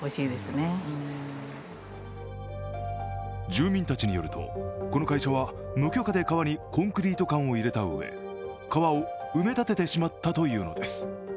住民たちによると、この会社は無許可で川にコンクリート管を入れたうえ川を埋め立ててしまったというのです。